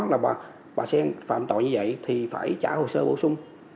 là bà sen phạm tội như vậy thì phải trả hồ sơ bổ sung